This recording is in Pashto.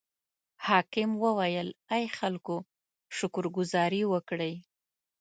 حاکم وویل: ای خلکو شکر ګذاري وکړئ.